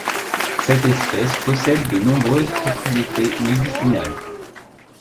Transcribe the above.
Cette espèce possède de nombreuses propriétés médicinales.